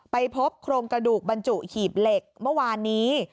ไปพบโครงกระดูกบรรจุหีบเหล็กเมื่อวานนี้